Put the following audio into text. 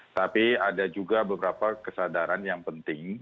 tapi ada juga beberapa kesadaran yang penting